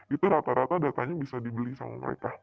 itu rata rata datanya bisa dibeli sama mereka